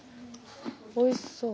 おいしそう。